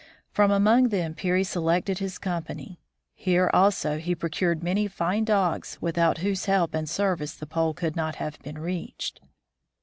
From among them Peary selected his company ; here, also, he procured many fine dogs, without whose help and service the Pole could not have been reached.